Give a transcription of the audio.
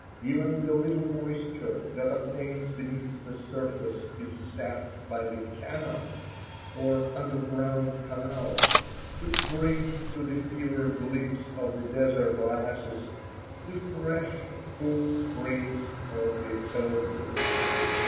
Even the little moisture that obtains beneath the surface is sapped by the kanots, or underground canals, which bring to the fevered lips of the desert oases the fresh, cool springs of the Elburz.